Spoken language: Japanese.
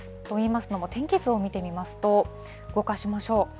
といいますのも天気図を見てみますと、動かしましょう。